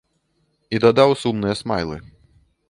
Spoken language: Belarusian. І дадаў сумныя смайлы.